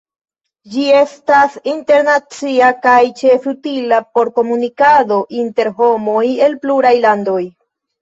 Ĝi estas internacia kaj ĉefe utila por komunikado inter homoj el pluraj landoj.